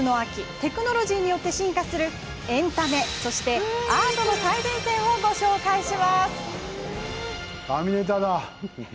テクノロジーによって進化するエンタメ、そしてアートの最前線をご紹介します。